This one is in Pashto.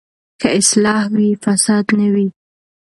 که اصلاح وي، فساد نه وي.